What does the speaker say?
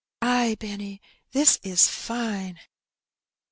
''Ay, Benny, this is fine."